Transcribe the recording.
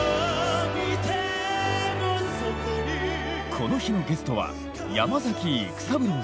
この日のゲストは山崎育三郎さん。